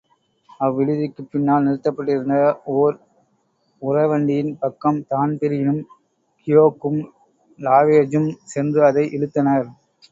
அவ்விடுதிக்குப் பின்னால் நிறுத்தப்பட்டிருந்த ஓர் உர வண்டியின் பக்கம் தான்பிரீனும், கியோக்கும், லாவேஜூம் சென்று அதை இழுத்தனர்.